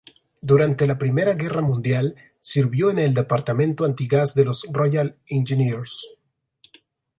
Durante la Primera Guerra Mundial sirvió en el Departamento Antigás de los Royal Engineers.